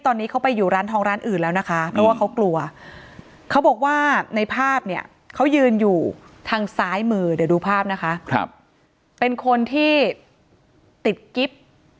ทางซ้ายมือเดี๋ยวดูภาพนะคะครับเป็นคนที่ติดกิฟต์